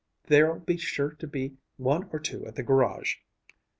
There'll be sure to be one or two at the garage."